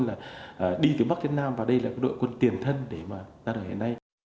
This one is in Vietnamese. là đi từ bắc việt nam và đây là đội quân tiền thân để ra đời hôm nay